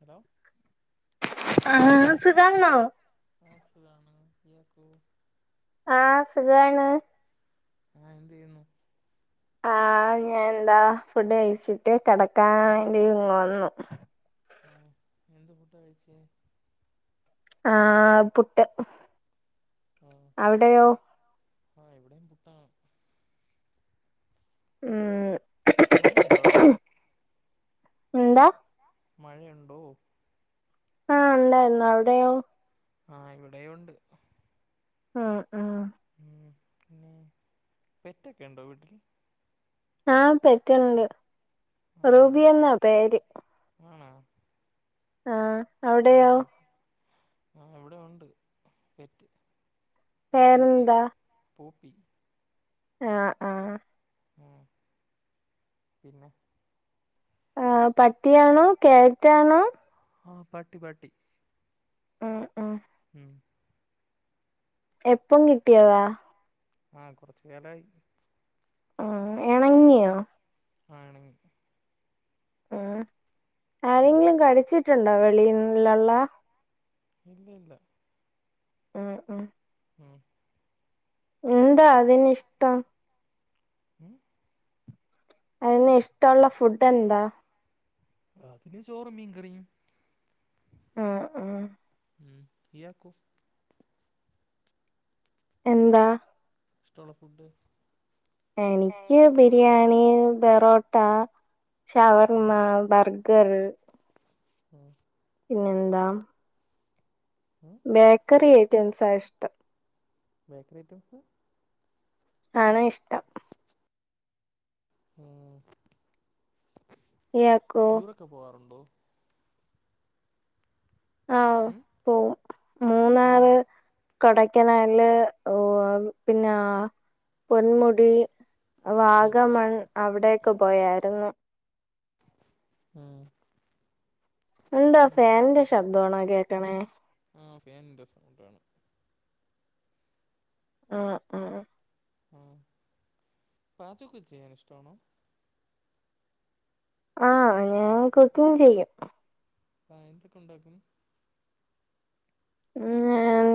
Hello ആഹ് സുഖാണോ? ആഹ് സുഖാണ് നിനക്കോ? ആഹ് സുഖാണ് ആഹ് എന്ത് ചെയ്യുന്നു ആഹ് ഞാൻ എന്താ ഫുഡ് കഴിച്ചിട്ട് കെടക്കാൻ വേണ്ടി വന്നു ആഹ് എന്ത് ഫുഡ് കഴിച്ചേ? ആഹ് പുട്ട് ആഹ് അവിടെയോ? ആഹ് ഇവിടെയും പുട്ടാ [unintelligible] മഴ ഉണ്ടോ അവിടെ? എന്താ മഴയുണ്ടോ ആഹ് ഇല്ലാ ഇല്ല അവിടെയോ? ആഹ് ഇവിടെയും ഉണ്ട് ആ -ആ മ്മ് പിന്നെ പെറ്റൊക്കെണ്ടോ വീട്ടിൽ ആഹ് പെറ്റുണ്ട് ആ റൂബിയെന്നാ പേര് ആണോ ആഹ് അവിടെയോ? ആഹ് ഓക്കെ ആഹ് ഇവിടെ ഒണ്ട് പെറ്റ് പൂപ്പി പേരെന്താ? പൂപ്പി ആഹ്-ആഹ് ഉം പിന്നെ ആഹ് പട്ടിയാണോ ക്യാറ്റ് ആണോ ആഹ് പട്ടി പട്ടി മ്മ് മ് ഉം എപ്പം കിട്ടിയതാ ആഹ് കൊറച്ചു കാലായി ആഹ് എണങ്ങിയോ ആണ് ഉം ഉം ആരെയെങ്കിലും കടിച്ചിട്ടുണ്ടോ വെളീയിലുള്ള ഇല്ല ഇല്ല ഉം ഉം ഉം എന്താ അതിന് ഇഷ്ടം ഉം [unintelligible] അതിന് ഇഷ്ടമുള്ള ഫുഡ് എന്താ അതിന് ചോറും മീൻകറിയും ഉം ഉം ഉം ഇയാക്കോ എന്താ ഇഷ്ടള്ള ഫുഡ് എനിക്ക് ബിരിയാണി പൊറോട്ട ഉം ഷവർമ്മ ബർഗ ഗർ [unintelligible] പിന്നെന്താ ഉം ബേക്കറി ഐറ്റംസാ ഇഷ്ടം ബേക്കറി ഐറ്റംസ് ആണ് ഇഷ്ടം ഉം ഇയാക്കോ ഒക്കെ പോവാറുണ്ടോ ആഹ് ഉം പോവും മൂന്നാറ് കൊടൈക്കനാലില് പിന്നെ പൊന്മുടി ഉം വാഗമൺ അവിടെയൊക്കെ പോയായിരുന്നു ഉം എന്താ ഫാനിന്റെ പാചകം ചെയ്യോ ശബ്ദാണോ കേക്കണേ ആഹ് ഫാനിൻ്റെ സൗണ്ടാണ് ആഹ് ആഹ് ആഹ് പാചകക്കെ ചെയ്യാൻ ഇഷ്ടമാണോ ആഹാ ഞാൻ കുക്കിംഗ്‌ ചെയ്യും ആഹ് എന്തൊക്കെ ഉണ്ടാക്കും ഉം ഞാൻ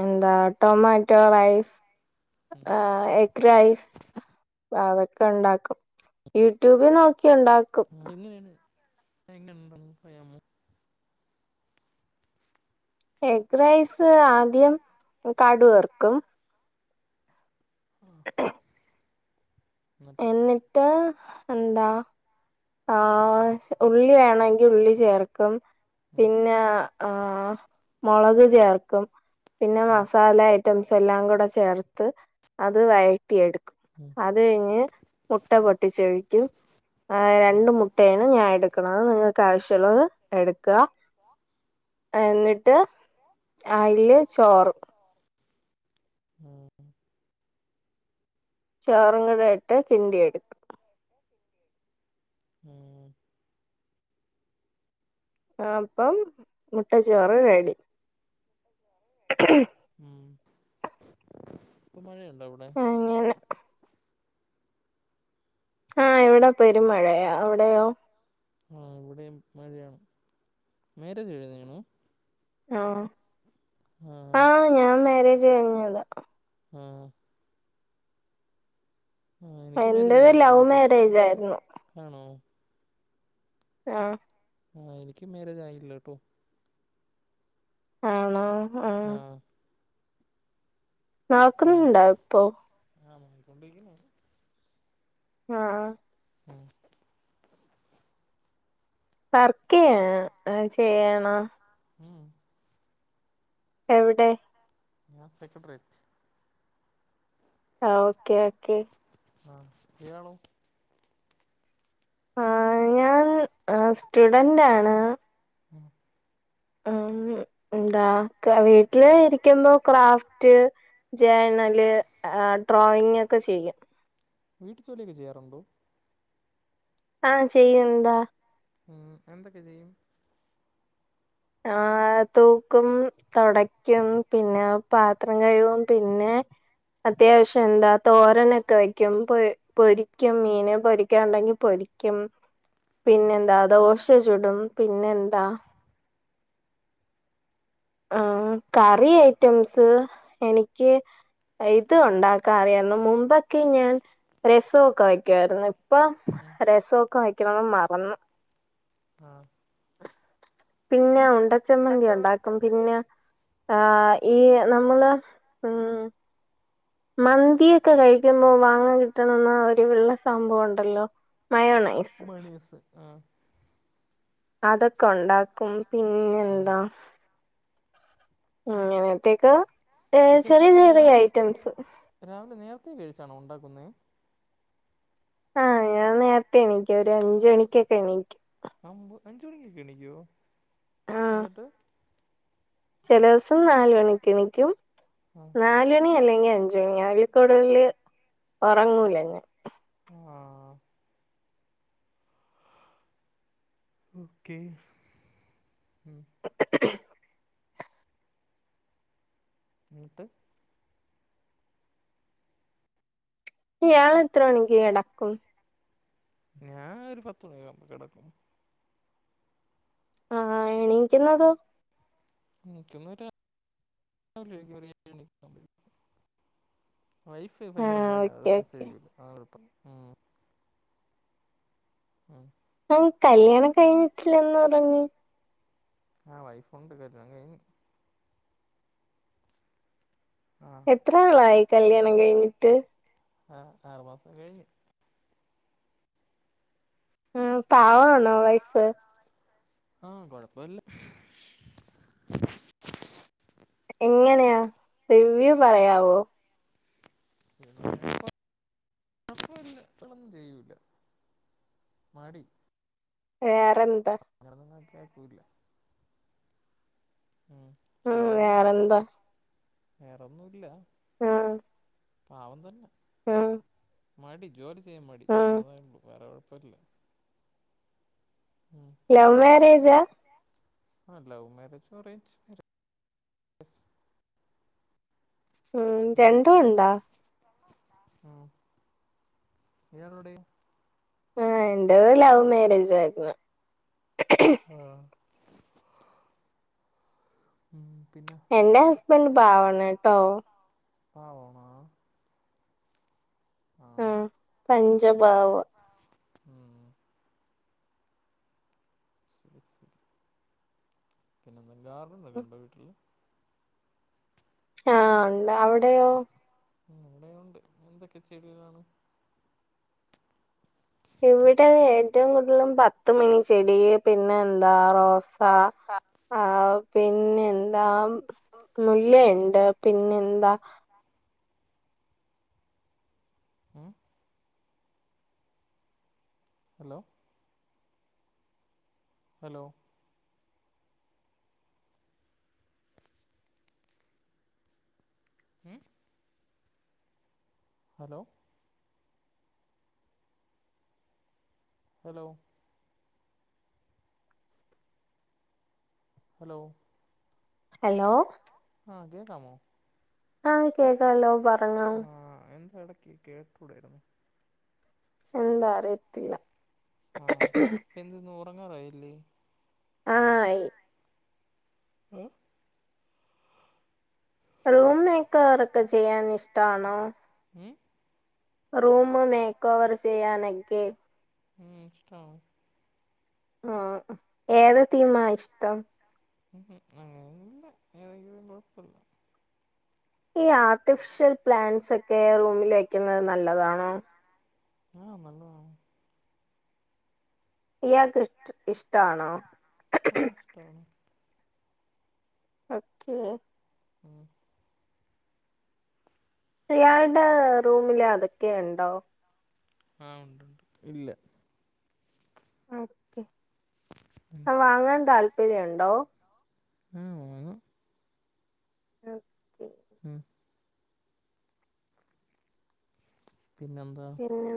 എന്താ ടൊമാറ്റോ റൈസ് ആഹ് എഗ്റൈസ് അതൊക്കെ ഉണ്ടാക്കും യൂട്യൂബ് നോക്കി ഉണ്ടാ [unintelligible] എങ്ങനണ്ടന്ന് പറയാമോ എഗ് റൈസ് ആദ്യം കടുക് വറക്കും ആഹ് ന്നിട്ട് ന്നിട്ട് എന്താ ആഹ് ഉള്ളി വേണമെങ്കിൽ ഉള്ളി ചേർക്കും ഉം പിന്നെ ആഹ് മുളക് ചേർക്കും പിന്നെ ഉം മസാല ഐറ്റംസ് എല്ലാം കൂടെ ചേർത്ത് അത് വയറ്റി എടുക്കും ഉം അത് കഴിഞ്ഞ് മുട്ട പൊട്ടിചൊയിക്കും ഉം രണ്ട് മുട്ടേ ആണു ഞാൻ എടുകുണത് നിങ്ങൾക്ക് ആവിശ്യം ഉള്ളത് എടുക്കാ ന്നിട്ട് ആയില് ചോറ് ഉം ഹ് ചോറ് കറിയായിട്ട് കിണ്ടി എടുക്കും ഉം ആ അപ്പൊ മുട്ട ചോറ് റെഡി ഉം ഇപ്പൊ മഴയുണ്ടോ അവിടെ അങ്ങനെ ആഹ് ഇവിടാ പെരും മഴയാ അവിടെയോ അഹ് ഇവിടെ മഴ ആണു മേരേജ് കയിഞ്ഞിക്ണോ ആഹ് ആഹ് ആഹാ ഞാൻ മാരേജ് കഴിഞ്ഞു ആഹ് ആ എനിക്ക് മേരജ് എന്റേത് ലവ് കഴഞ്ഞിട്ടില്ലട്ടോ മാരേജ് ആയിരുന്നു ആണോ ആഹാ ആ എനിക്ക് മേരേജ് ആയില്ല ട്ടോ ആണോ ആഹ് ഉം നോക്കുന്നുണ്ടോ ഇപ്പോ ആഹ് നോകിക്കൊണ്ടിരിക്കുന്നു ആഹ് ആഹ് ആഹ് വർക്ക് ഇയാ ചെയ്യാണോ ഉം എവിടെ ഞാൻ സെക്കട്രിയേറ്റ് ആഹ് ഓക്കെ ഓക്കേ ആഹ് ഇയാളോ ആ ഞാൻ സ്റ്റുഡന്റ് ആണ് ആഹ് ആഹ് എന്താ വീട്ടില് ഇരിക്കുമ്പോ ക്രാഫ്റ്റ് ജേണല് ഡ്രോയിങ് ഒക്കെ ചെയ്യും വീട്ട് ജോലിയൊക്കെ ചെയ്യാറുണ്ടോ ആഹ് ചെയ്യും എന്താ ഉം എന്തൊക്കെ ചെയ്യും ആഹ് തൂക്കും തൊടയ്ക്കും പിന്നെ പാത്രം കഴുകും പിന്നെ അത്യാവശ്യം എന്താ തോരനൊക്കെ വയ്ക്കും പൊ പൊരിക്കും മീന് പൊരിക്കാനുണ്ടെങ്കിൽ പൊരിക്കും പിന്നെന്താ ദോശ ചുടും പിന്നെന്താ ആഹ് കറി ഐറ്റംസ് എനിക്ക് ഇത് ഉണ്ടാക്കാറിയാരുന്നു മുമ്പൊക്കെ ഞാൻ രസൊക്കെ വയ്ക്കുമായിരുന്നു ഇപ്പൊ ഉം രസൊക്കെ വയ്ക്ക്ണെത് മറന്നു ആഹ് പിന്നെ ഉണ്ടച്ചമ്മന്തി ഉണ്ടാക്കും പിന്നെ ആഹ് ഈ നമ്മള് ഉം മന്തിയൊക്കെ കഴിക്കുമ്പോ വാങ്ങാൻ കിട്ടണെന്ന ഒരു വെള്ള സംഭവം ഉണ്ടല്ലോ മയൊണെ മണീസ് ആഹ് അതൊക്കെ ഉണ്ടാക്കും പിന്നെ ഉം എന്താ ഇങ്ങനെത്തേക്ക ഏഹ് ഇതൊക്കെ ചെറിയ എപ്പോഴാണ് ചെറിയ രാവിലെ ഐറ്റംസ് രാവിലെ നേരത്തെ എണീച്ചാണോ ഉണ്ടാക്കുന്നത് ആഹ് ഞാൻ നേരത്തെ എണീക്കും ഒരു അഞ്ച് മണിക്കൊക്കെ എണീക്കും അമ്പൊ അഞ്ച് മണിക്കൊക്കെ എണീക്കോ എന്നിട്ട് ചെലോസം നാല് മണിക്ക് എണീക്കും ആഹ് നാല് മണി അല്ലെങ്കിൽ അഞ്ച് മണി അയ്ല്കൂടുതല് ഉറങ്ങൂല ഞാ ആഹ് ഓക്കെ ഉം [inaudible] ന്നട്ട് ഇയാള് എത്ര മണിക്ക് കെടക്കും ഞാൻ ഒരു പത്ത് മണിയവുമ്പോ കെടക്കും ആഹ് എണീക്കുന്നതോ എണീക്കുന്നതാ ആറര ഏഴു മണി ആകും എണീക്കുമ്പഴേക്ക് വൈഫ് ഭയങ്കരമായിട് ആഹ് ഓക്കെ ഓക്കെ ആസ്മിസിയ്യൂല ആഹ് ഒറപ്പ് ഉം ഉം കല്യാണം കഴിഞ്ഞിട്ടില്ലെന്ന് പറഞ്ഞു ആഹ് വൈഫ് ഉണ്ട് കല്ല്യാണം കയ്ഞ്ഞ് ആ എത്ര നാളായി കല്ല്യാണം കഴിഞ്ഞിട്ട് ആഹ് ആറു മാസം കഴിഞ്ഞു ഉം പാവണോ വൈഫ് ആഹ് കുഴപ്പല്ല എങ്ങനെയാ റിവ്യൂ പറയാവോ [unintelligible] ചെയ്യൂല്ല മടി വേറെന്താ അങ്ങനൊന്നും ഞാൻ ത്തേക്കുല്ല ഉം ഉം ശരിയാക്കിടണം വേറെന്താ വേറൊന്നുല്ല ആഹ് പാവം തന്നെ ആഹ് മടി ജോലി ചെയ്യാൻ മടി ആഹ് അതേ ഉള്ളൂ വേറെ കുഴപ്പമില്ല ഉം ലൗ മാരേജാ ആഹ് ലവ് മാരേജും അറേഞ്ച് ഉം രണ്ടും ഇയാൾക്കോ ഉണ്ടോ ഉം ഇയാളെവടെ ഏഹ് എന്റെ ലവ് മാരേജ് ആയിരുന്നു ആഹ് ഉം പിന്നെ എന്റെ ഹസ്ബന്റ് പാവാണ് കെട്ടോ പാവാണോ ആ ആഹ് പഞ്ചപാവ ഉം പിന്നെ എന്താ ഗാർഡനൊക്കെ ഉണ്ടോ വീട്ടിൽ ആഹ് ഉണ്ട് അവിടെയോ ഉം ഇവിടെ ഉണ്ട് എന്തൊക്കെ ചെടികളാണ് ഇവിടെ ഏറ്റവും കൂടുതലും പത്തുമണി ചെടി പിന്നെ എന്താ റോസ് ആഹ് ആഹു പിന്നെന്താ മുല്ലുണ്ട് പിന്നെന്താ ഉം ഹലോ ഹലോ ഏ ഹലോ ഹലോ ഹലോ ഹലോ ആ കേക്കാമോ ആഹ് കേക്കാലോ പറഞ്ഞോ ആഹ് എന്താ ഇടക്ക് കേട്ടൂടായിരുന്നു എന്താ അറിയത്തില്ല എന്ത്ന്ന് ഉറങ്ങാറായില്ലേ ആഹ് ആയി മം റൂം മേക്കാറൊക്കെ ചെയ്യാൻ ഇഷ്ടണോ ഉം റൂം മേക്ക ഓവർ ചെയ്യാനൊക്കെ ഏഹ് ഇഷ്ടോണ് ആഹ് ഏത് തീമാ ഇഷ്ടം ഉ ഉം അങ്ങനെയല്ല ഏതെയാലും കുഴപ്പില്ല ഈ ആർട്ടിഫിഷ്യൽ പ്ലാന്റ്സ് ഒക്കെ റൂമിൽ വെക്കുന്നത് നല്ലതാണോ ആഹ് നല്ലതാണ് ഇയാൾക്ക് ഇഷ ഇഷ്ടാണോ ആ ഇഷ്ടാണ് ഓക്കേ ഉം അയാളുടെ റൂമില് അതൊക്കെ ഉണ്ടോ? ആഹ് ഉണ്ട്ണ്ട് ഇല്ല ഓക്കെ ആ വാങ്ങാൻ താല്പര്യുണ്ടോ? മ്. ഓ ക്കേ ഉം. പിന്നെ എന്താ? പിന്നെ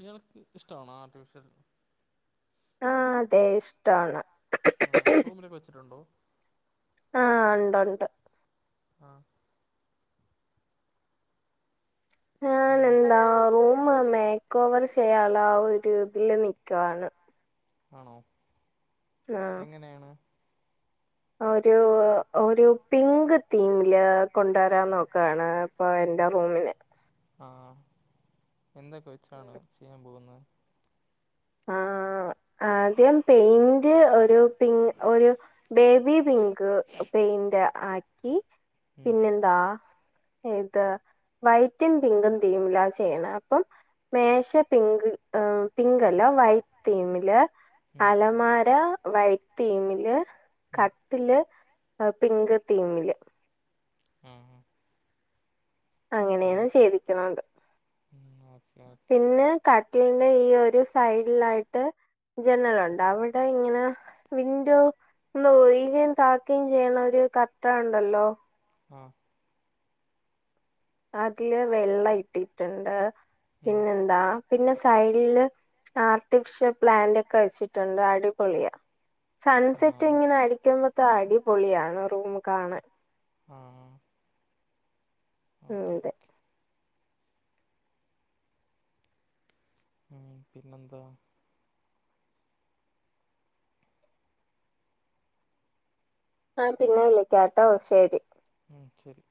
ഇയാൾക്ക് ഇഷ്ടണോ ആർട്ടിഫിഷ്യൽ ആ അതെ ഇഷ്ടാണ്. ആ റൂമിലൊക്കെ വെച്ചിട്ടുണ്ടോ? ആഹ്‌ ഉണ്ട് ഉണ്ട് ആഹ്‌ ഞാൻ ഉം എന്താ റൂം മേക്ക് ഓവർ ചെയ്യാള്ള ആ ഒരു ഇതിൽ നിൽക്കുവയാണ് ആണോ ആഹ് എങ്ങനെയാണ് ഒരു ഒരു പിങ്ക് തീമില് കൊണ്ടുവരാ നോക്കുവാണ് ഇപ്പൊ എന്റെ റൂമിന് ആഹ്‌ എന്തൊക്കെ വെച്ചാണ് ചെയ്യാൻ പോകുന്നെ. ആ ആദ്യം പെയിന്റ് ഒരു പിങ് ഒരു ബേബി പിങ്ക് പെയിന്റ് ആക്കി ഉം പിന്നെന്താ ഇത് വൈറ്റും പിങ്കും തീമിലാ ചെയ്യണ അപ്പം മേശ പിങ്ക് ഏ പിങ്ക് ലോ വൈറ്റ് തീമില് ഉം അലമാര വൈ തീമില് ഉം കട്ടില് പിങ്ക് തീമില് മ് മ് അങ്ങനെയാണ് ചെയ്തിക്കിനൊണ്ട് ഉം ഓക്കെ ഓക്കെ പിന്നെ കട്ട്ലിന്റെ ഈ ഒരു സൈഡിലായിട്ട് ജനലുണ്ട് അവിടെ ഇങ്ങനെ വിൻഡോ ഒന്ന് ഒയ്രേം താക്കേ ചെയ്യണ ഒരു കർട്ടൻണ്ടല്ലോ? ആഹ്‌. അതില് വെള്ളം ഇട്ടിട്ടുണ്ട് ഉം പിന്നെന്താ പിന്നെ സൈഡില് ആർട്ടിഫിഷ്യൽ പ്ലാന്റ് ഒക്കെ വെച്ചിട്ടുണ്ട് അടിപൊളിയ സൺസെറ്റ് ആഹ് ഇങ്ങനെ അടിക്കുമ്പത്തെ അടിപൊളിയാണ് റൂം കാണാൻ ഉം. ഉം ഓക്കെ അതെ ഓക്കെ ഉം പിന്നെന്താ? ആ പിന്നെവിളിക്കാട്ടോ ശരി ഉം ശരി